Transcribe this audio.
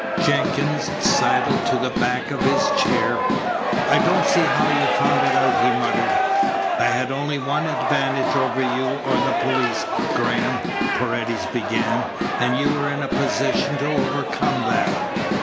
Jenkins sidled to the back of his chair. "I don't see how you found it out," he muttered. "I had only one advantage over you or the police, Graham," Paredes began, "and you were in a position to overcome that.